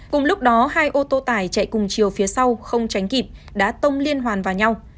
cùng lúc đó hai ô tô tải chạy cùng chiều phía sau không tránh kịp đã tông liên hoàn vào nhau